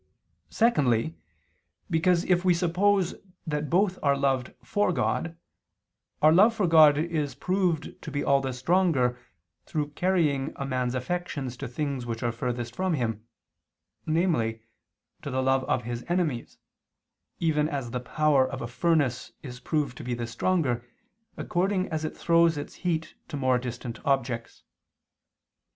Secondly, because if we suppose that both are loved for God, our love for God is proved to be all the stronger through carrying a man's affections to things which are furthest from him, namely, to the love of his enemies, even as the power of a furnace is proved to be the stronger, according as it throws its heat to more distant objects.